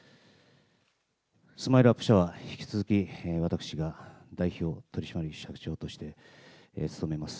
ＳＭＩＬＥーＵＰ．社は引き続き、私が代表取締役社長として務めます。